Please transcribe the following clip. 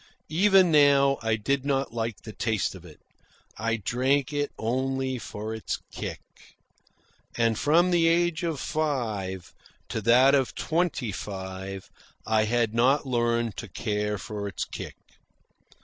Even now I did not like the taste of it. I drank it only for its "kick." And from the age of five to that of twenty five I had not learned to care for its kick.